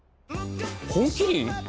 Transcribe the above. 「本麒麟」